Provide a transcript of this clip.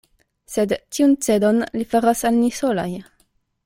Sed tiun cedon li faras al ni solaj.